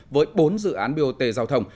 với bốn dự án bot giao thông